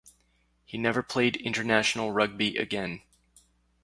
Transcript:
He never played international rugby again.